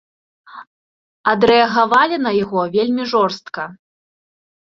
Адрэагавалі на яго вельмі жорстка.